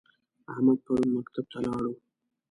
احمدن پرون مکتب ته لاړ و؟